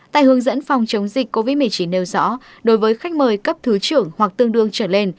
tại hướng dẫn phòng chống dịch covid một mươi chín nêu rõ đối với khách mời cấp thứ trưởng hoặc tương đương trở lên